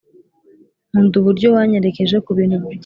nkunda uburyo wanyerekeje kubintu byinshi bishya